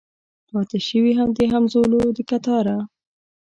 پاته شوي د همزولو د کتاره